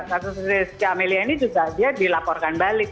kasus rizky amelia ini juga dia dilaporkan balik